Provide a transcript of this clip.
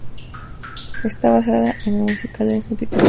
Está basada en el musical del mismo título.